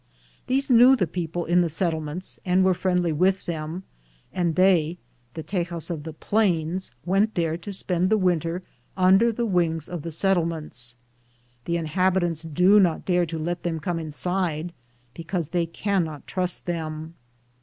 These knew the people in the settlements, and were friendly with them, and they (the Teyas of the plains) went there to spend the winter under the wings of the settlements. The inhabitants do not dare to let them come inside, because they can not trust them.